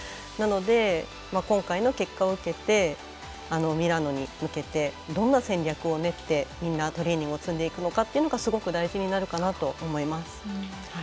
なので、今回の結果を受けてミラノに向けてどんな戦略を練ってみんなトレーニングを積んでいくのかがすごく大事になるかなと思います。